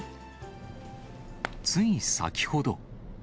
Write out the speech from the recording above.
つい先ほど。